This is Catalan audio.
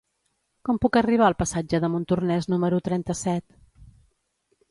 Com puc arribar al passatge de Montornès número trenta-set?